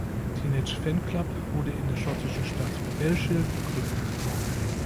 Teenage Fanclub wurde in der schottischen Stadt Bellshill gegründet.